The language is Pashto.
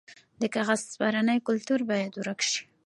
د کاغذ پرانۍ کلتور باید ورک شي.